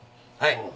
はい。